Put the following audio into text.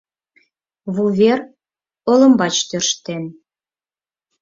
Вувер, олымбач тӧрштен